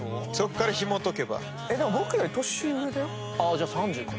じゃあ３０か。